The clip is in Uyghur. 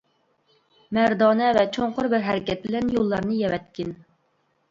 مەردانە ۋە چوڭقۇر بىر ھەرىكەت بىلەن يوللارنى يەۋەتكىن!